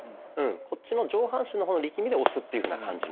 こっちの上半身の方の力みで押すというふうな感じの。